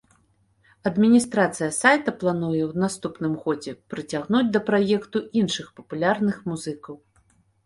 Адміністрацыя сайта плануе ў наступным годзе прыцягнуць да праекту іншых папулярных музыкаў.